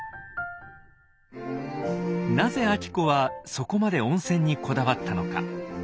なぜ晶子はそこまで温泉にこだわったのか？